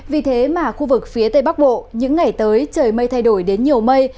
vì thế mà khu vực phía tây bắc bộ những ngày tới trời mây thay đổi đến nhiều mây